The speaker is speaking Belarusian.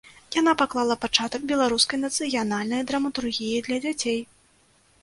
Яна паклала пачатак беларускай нацыянальнай драматургіі для дзяцей.